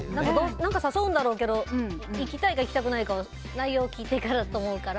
何か誘うんだろうけど行きたいか行きたくないか内容を聞いてからって思うから。